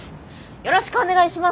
よろしくお願いします！